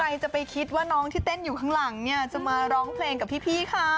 ใครจะไปคิดว่าน้องที่เต้นอยู่ข้างหลังเนี่ยจะมาร้องเพลงกับพี่เขา